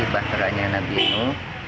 bakteranya nabi nuh